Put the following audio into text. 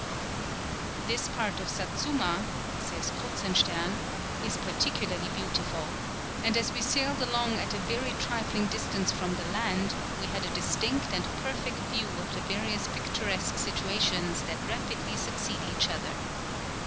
"This part of Satsuma," says Kruzenstern, "is particularly beautiful: and as we sailed along at a very trifling distance from the land, we had a distinct and perfect view of the various picturesque situations that rapidly succeed each other.